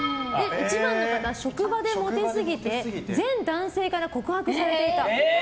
１番の方、職場でモテすぎて全男性から告白されていた。